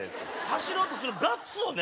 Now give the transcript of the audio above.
走ろうとするガッツをね